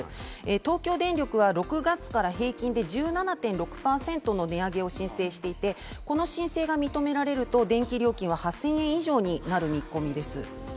東京電力は６月から平均で１７．６％の値上げを申請していて、この申請が認められると電気料金は８０００円以上になる見込みです。